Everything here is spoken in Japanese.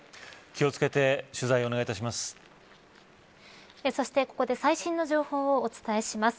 気を付けて取材をお願いいたします。